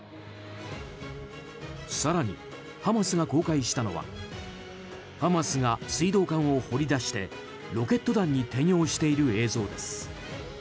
更にハマスが公開したのはハマスが水道管を掘り出してロケット弾に転用している映像です。